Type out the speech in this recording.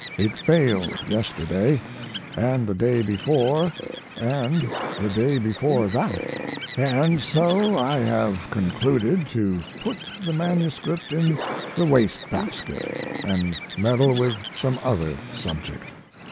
It failed yesterday & the day before & the day before that. And so I have concluded to put the MS. in the waste basket & meddle with some other subject.